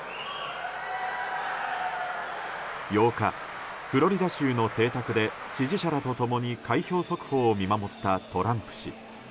８日、フロリダ州の邸宅で支持者らと共に開票速報を見守ったトランプ氏。